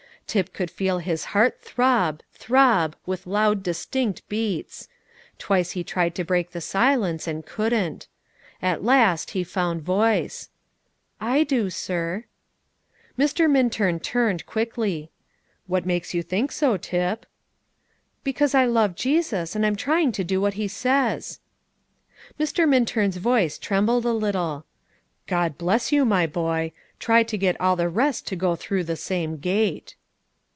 Tip could feel his heart throb throb with loud, distinct beats; twice he tried to break the silence, and couldn't. At last he found voice: "I do, sir." Mr. Minturn turned quickly. "What makes you think so, Tip?" "Because I love Jesus, and I'm trying to do what He says." Mr. Minturn's voice trembled a little: "God bless you, my boy; try to get all the rest to go through the same gate."